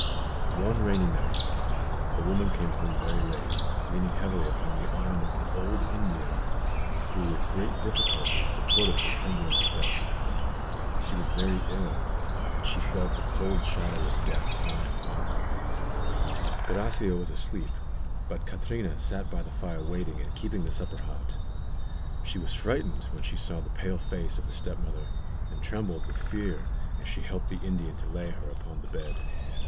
One rainy night the woman came home very late, leaning heavily upon the arm of an old Indian, who with great difficulty supported her trembling steps. She was very ill, and she felt the cold shadow of death falling upon her. Gracia was asleep, but Catrina sat by the fire waiting, and keeping the supper hot. She was frightened when she saw the pale face of the step mother, and trembled with fear as she helped the Indian to lay her upon the bed.